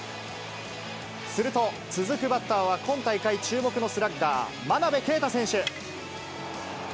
すると、続くバッターは今大会注目のスラッガー、真鍋慧選手。